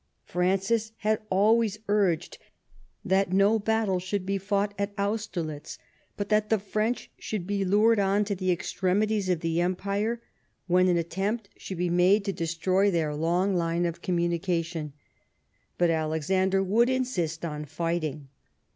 Francis had always urged that no battle should be fought at Auster litz, but that the French should be lured on to the extremities of the Empire, when an attempt should be THE EMBASSY TO PARIS. 17 made to destroy their long line of communication ; but Alexander would insist on fighting.